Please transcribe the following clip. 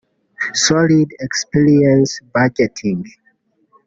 solid experience budgeting